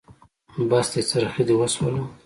بس دی؛ څرخی دې وشوله.